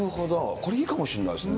これいいかもしれないですね。